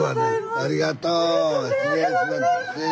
ありがとう。